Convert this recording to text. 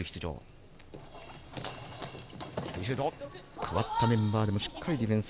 代わったメンバーでもしっかりディフェンス。